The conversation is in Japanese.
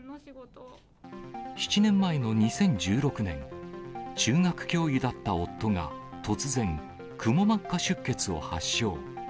７年前の２０１６年、中学教諭だった夫が突然、くも膜下出血を発症。